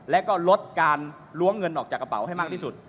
และก็ลดการล้วงเงินออกจากกระเป๋าให้มากที่สุด